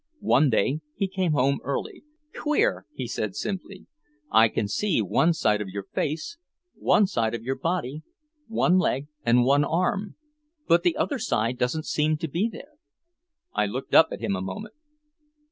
One day he came home early. "Queer," he said simply. "I can see one side of your face, one side of your body, one leg and one arm. But the other side don't seem to be there." I looked up at him a moment.